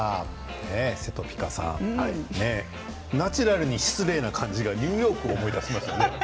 せとぴかさん、ナチュラルに失礼な感じがニューヨークを思い出しましたね。